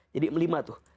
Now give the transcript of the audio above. jadi lima tuh